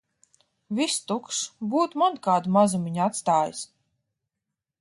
Viss tukšs. Būtu man kādu mazumiņu atstājis!